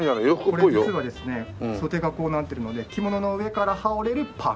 これ実はですね袖がこうなってるので着物の上から羽織れるパーカ。